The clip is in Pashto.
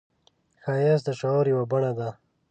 ښایست د شعور یوه بڼه ده